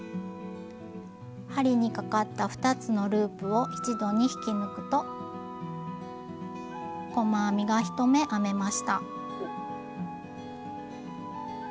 針にかかった２つのループを一度に引き抜くと細編みが１目編めました。